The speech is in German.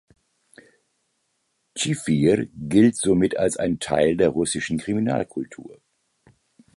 Tschifir gilt somit als ein Teil der russischen Kriminalkultur.